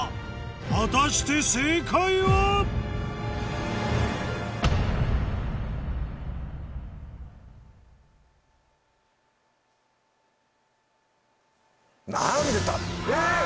果たして正解は⁉何でえっ！